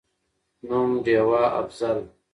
نوم: ډېوه«افضل»